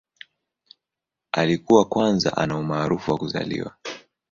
Alikuwa kwanza ana umaarufu wa kuzaliwa.